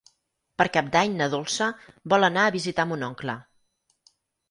Per Cap d'Any na Dolça vol anar a visitar mon oncle.